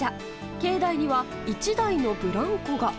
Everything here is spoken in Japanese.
境内には１台のブランコが。